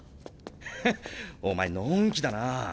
ハッお前のんきだな。